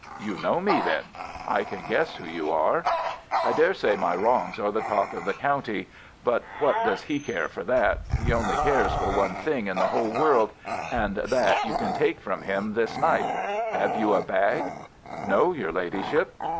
"You know me, then?" "I can guess who you are." "I daresay my wrongs are the talk of the county. But what does he care for that? He only cares for one thing in the whole world, and that you can take from him this night. Have you a bag?" "No, your Ladyship."